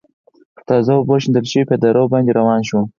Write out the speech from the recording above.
پر تازه اوبو شیندل شوي پېاده رو باندې روان شوم.